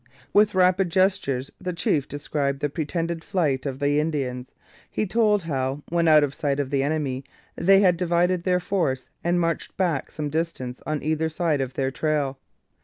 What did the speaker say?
With rapid gestures the chief described the pretended flight of the Indians. He told how, when out of sight of the enemy, they had divided their force and marched back some distance on either side of their trail.